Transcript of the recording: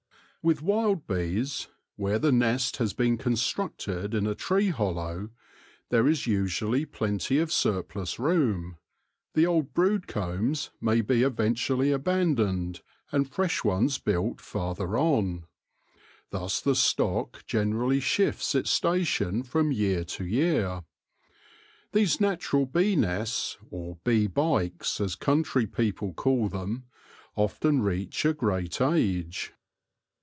With wild bees, where the nest has been constructed in a tree hollow, and there is usually plenty of surplus room, the old brood combs may be eventually abandoned and fresh ones built farther on. Thus the stock generally shifts its station from year to year. These natural bee nests, or bee bikes, as country people call them, often reach a great age.